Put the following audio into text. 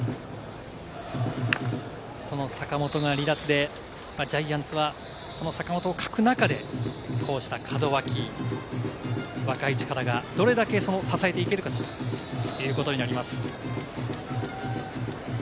その坂本が離脱で、ジャイアンツは坂本を欠く中で、こうした門脇、若い力がどれだけ支えていけるかということになります。